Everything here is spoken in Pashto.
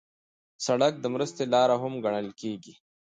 سړک د مرستې لاره هم ګڼل کېږي.